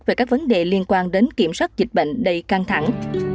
về các vấn đề liên quan đến kiểm soát dịch bệnh đầy căng thẳng